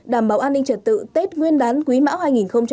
đảm bảo an ninh trật tự tết nguyên đán quý mão hai nghìn hai mươi